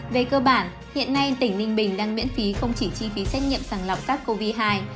về cơ bản hiện nay tỉnh ninh bình đang miễn phí không chỉ chi phí xét nghiệm sàng lọc sát covid một mươi chín